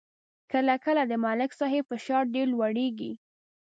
کله کله د ملک صاحب فشار ډېر لوړېږي.